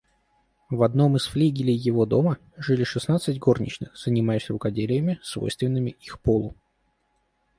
В одном из флигелей его дома жили шестнадцать горничных, занимаясь рукоделиями, свойственными их полу.